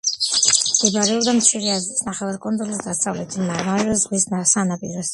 მდებარეობდა მცირე აზიის ნახევარკუნძულის დასავლეთით, მარმარილოს ზღვის სანაპიროზე.